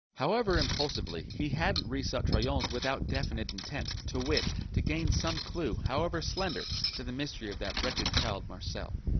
However impulsively, he hadn't resought Troyon's without definite intent, to wit, to gain some clue, however slender, to the mystery of that wretched child, Marcel.